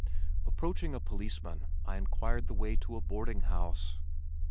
Approaching a policeman I inquired the way to a boarding house.